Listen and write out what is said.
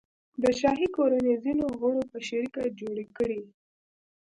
د شاهي کورنۍ ځینو غړو په شریکه جوړې کړي.